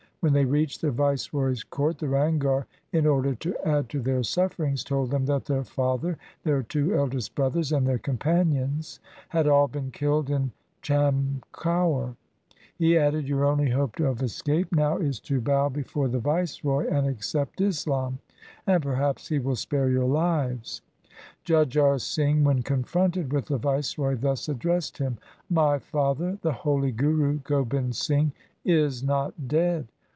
When they reached the viceroy's court, the Ranghar, in order to add to their sufferings, told them that their father, their two eldest brothers, and their companions had all been killed in Cham kaur. He added, ' Your only hope of escape now is to bow before the Viceroy and accept Islam ; and perhaps he will spare your lives.' Jujhar Singh when confronted with the viceroy thus addressed him :' My father, the holy Guru Gobind Singh is not dead.